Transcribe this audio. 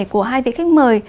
của hai vị khách mời